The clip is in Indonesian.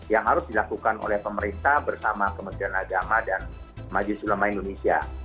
yang harus dilakukan oleh pemerintah bersama kementerian agama dan majlis ulama indonesia